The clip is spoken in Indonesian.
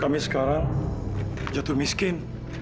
kami sekarang jatuh miskin